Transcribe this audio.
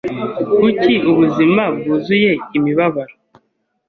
Kuki ubuzima bwuzuye imibabaro?